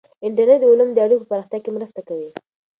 انټرنیټ د علومو د اړیکو په پراختیا کې مرسته کوي.